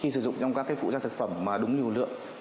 khi sử dụng trong các phụ gia thực phẩm đúng lưu lượng